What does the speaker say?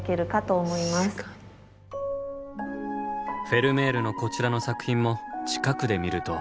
フェルメールのこちらの作品も近くで見ると。